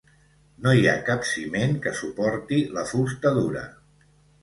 No hi ha cap ciment que suporti la fusta dura.